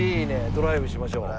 ドライブしましょう。